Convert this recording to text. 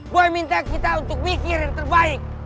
gue minta kita untuk mikir yang terbaik